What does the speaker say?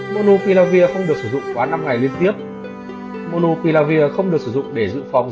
monopiravir không được sử dụng quá năm ngày liên tiếp monopiravir không được sử dụng để dự phòng